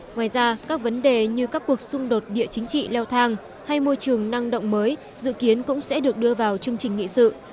ngoài ra các vấn đề như các cuộc xung đột địa chính trị leo thang hay môi trường năng động mới dự kiến cũng sẽ được đưa vào chương trình nghị sự